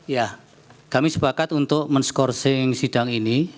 ya kami sepakat untuk men scourcing sidang ini